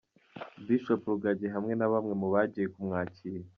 Bishop Rugagi hamwe na bamwe mu bagiye kumwakira